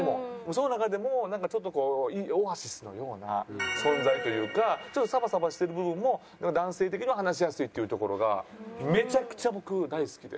その中でもなんかちょっとオアシスのような存在というかちょっとサバサバしてる部分も男性的には話しやすいっていうところがめちゃくちゃ僕大好きで。